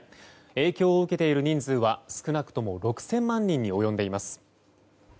影響を受けている人数は少なくとも６０００万人に及んでいます。